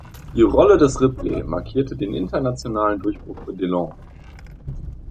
Die Rolle des Ripley markierte den internationalen Durchbruch für Delon.